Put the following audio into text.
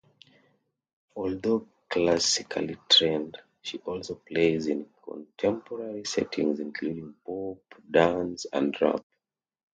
Although classically trained, she also plays in contemporary settings including pop, dance and rap.